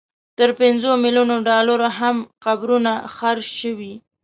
تر پنځو ملیونو ډالرو هم قبرونه خرڅ شوي.